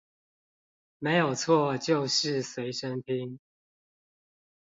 沒有錯就是隨身聽